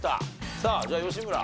さあじゃあ吉村。